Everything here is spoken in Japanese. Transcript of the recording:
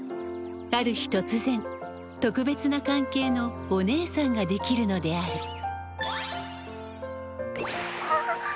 ある日とつぜん特別な関係の「おねえさん」ができるのである。